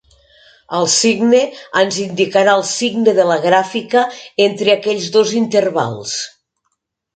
El signe ens indicarà el signe de la gràfica entre aquells dos intervals.